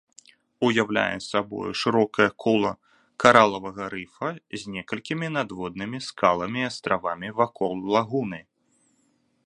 Уяўляе сабою шырокае кола каралавага рыфа з некалькімі надводнымі скаламі і астравамі вакол лагуны.